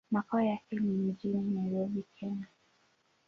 Makao yake ni mjini Nairobi, Kenya.